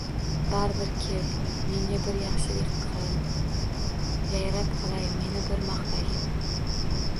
— Bari bir. Kel, menga bir yaxshilik qil, yayrab qolay: meni bir maqtagin!